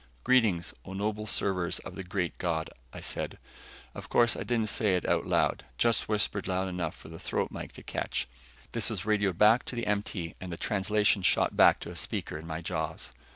"Greetings, O noble servers of the Great God," I said. Of course I didn't say it out loud, just whispered loud enough for the throat mike to catch. This was radioed back to the MT and the translation shot back to a speaker in my jaws.